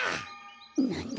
なんだ？